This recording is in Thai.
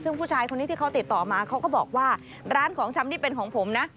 ซึ่งผู้ชายคนนี้ที่เขาติดต่อมาเขาก็บอกว่าร้านของชำนี่เป็นของผมนะ